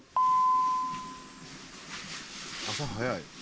朝早い。